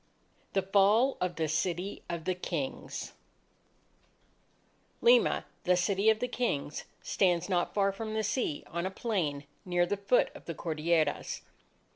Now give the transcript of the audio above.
THE FALL OF THE CITY OF THE KINGS Lima, "the City of the Kings," stands not far from the sea on a plain near the foot of the Cordilleras.